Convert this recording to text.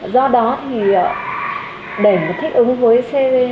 do đó thì để mà thích ứng với cptpp thì cũng là một trong những lĩnh vực cần phải điều chỉnh